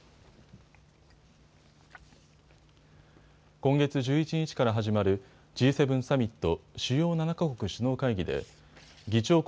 今月１１日から始まるＧ７サミット・主要７か国首脳会議で議長国